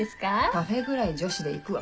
カフェぐらい女子で行くわ。